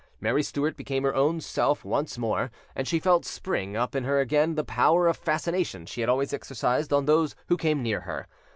Mary Stuart became her own self once more, and she felt spring up in her again the power of fascination she had always exercised on those who came near her.